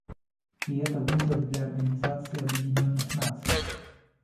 И это вызов для Организации Объединенных Наций.